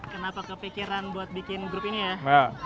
kenapa kepikiran buat bikin grup ini ya